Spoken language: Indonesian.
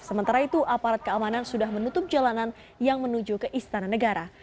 sementara itu aparat keamanan sudah menutup jalanan yang menuju ke istana negara